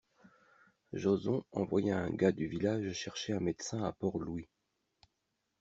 Joson envoya un gars du village chercher un médecin à Port-Louis.